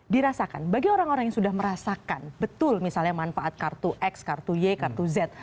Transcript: dirasakan bagi orang orang yang sudah merasakan betul misalnya manfaat kartu x kartu y kartu z